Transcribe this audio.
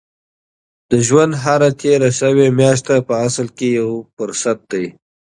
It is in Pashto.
د ژوند هره تېره شوې میاشت په اصل کې یو فرصت دی.